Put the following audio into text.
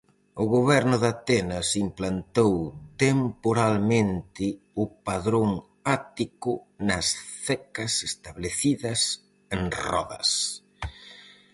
O goberno de Atenas implantou temporalmente o padrón ático nas cecas establecidas en Rodas.